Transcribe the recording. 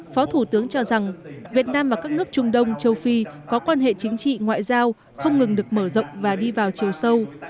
phó thủ tướng cho rằng việt nam và các nước trung đông châu phi có quan hệ chính trị ngoại giao không ngừng được mở rộng và đi vào chiều sâu